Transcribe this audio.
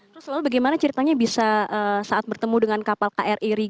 terus lalu bagaimana ceritanya bisa saat bertemu dengan kapal kri rige